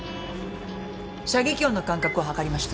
射撃音の間隔を測りました。